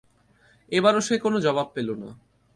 এবারও সে কোন জবাব পেলনা।